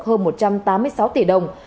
hơn một trăm tám mươi sáu tỷ đồng